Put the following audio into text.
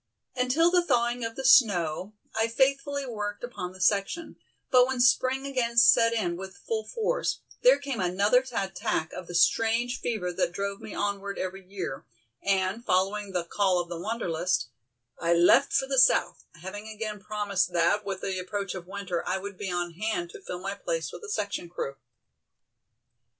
Until the thawing of the snow I faithfully worked upon the section, but when Spring again set in with full force, there came another attack of the strange fever that drove me onward every year, and, following the "Call of the Wanderlust", I left for the South, having again promised that with the approach of winter I would be on hand to fill my place with the section crew.